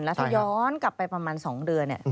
แล้วถ้าย้อนกลับไปประมาณสองเดือนเนี่ย